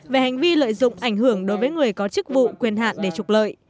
về hành vi lợi dụng ảnh hưởng đối với người có chức vụ quyền hạn để trục lợi